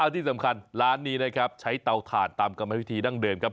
ที่สำคัญร้านนี้นะครับใช้เตาถ่านตามกรรมวิธีดั้งเดิมครับ